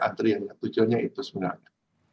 antri yang tujuannya itu sebenarnya